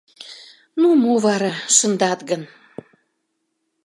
— Ну, мо вара, шындат гын?